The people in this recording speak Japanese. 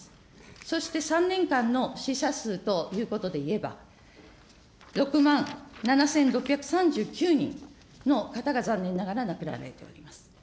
そして３年間の死者数ということでいえば、６万７６３９人の方が、残念ながら亡くなられております。